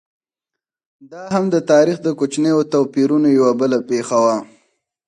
دا هم د تاریخ د کوچنیو توپیرونو یوه بله پېښه وه.